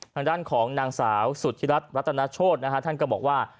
ทางด้านของนางสาวสุธิรัฐรัตนโชธนะฮะท่านก็บอกว่า